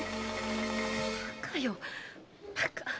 バカよバカっ！